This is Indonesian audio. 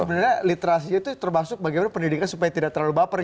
sebenarnya literasinya itu termasuk bagaimana pendidikan supaya tidak terlalu baper